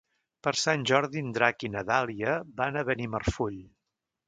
Per Sant Jordi en Drac i na Dàlia van a Benimarfull.